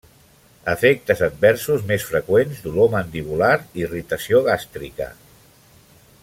Efectes adversos més freqüents: dolor mandibular, irritació gàstrica.